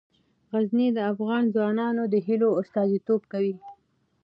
غزني د افغان ځوانانو د هیلو استازیتوب کوي.